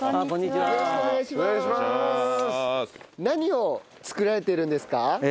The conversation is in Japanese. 何を作られてるんですか？